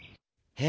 え？